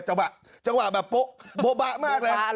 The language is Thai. จังหวะจังหวะแบบโป๊บะมากเลย